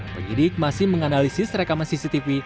penyidik masih menganalisis rekaman cctv